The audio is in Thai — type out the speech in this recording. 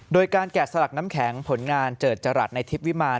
โดยการแกะสลักน้ำแข็งผลงานเจิดจรัสในทิพย์วิมาร